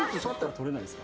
取れないですか？